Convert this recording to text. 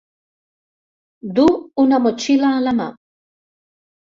Du una motxilla a la mà.